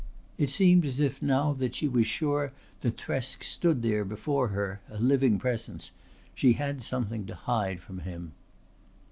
It seemed as if now that she was sure that Thresk stood there before her, a living presence, she had something to hide from him.